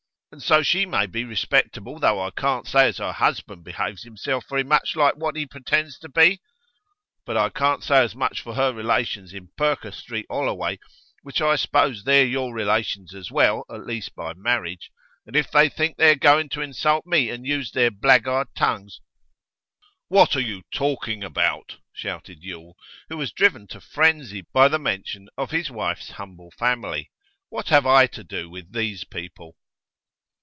And so she may be respectable, though I can't say as her husband behaves himself very much like what he pretends to be. But I can't say as much for her relations in Perker Street, 'Olloway, which I s'pose they're your relations as well, at least by marriage. And if they think they're going to insult me, and use their blackguard tongues ' 'What are you talking about?' shouted Yule, who was driven to frenzy by the mention of his wife's humble family. 'What have I to do with these people?